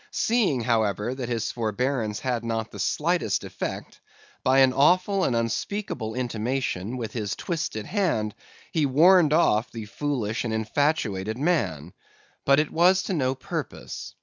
Seeing, however, that his forbearance had not the slightest effect, by an awful and unspeakable intimation with his twisted hand he warned off the foolish and infatuated man; but it was to no purpose.